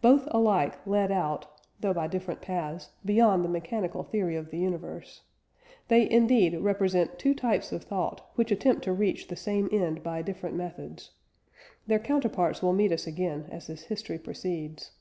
Both alike led out, though by different paths, beyond the mechanical theory of the universe. They, indeed, represent two types of thought which attempt to reach the same end by different methods. Their counterparts will meet us again as this history proceeds.